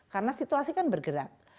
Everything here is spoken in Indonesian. karena situasi kan bergerak